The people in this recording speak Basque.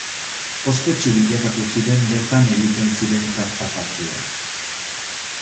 Ospetsu bilakatu ziren bertan egiten ziren karta partidak.